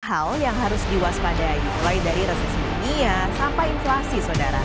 hal yang harus diwaspadai mulai dari resesi dunia sampai inflasi saudara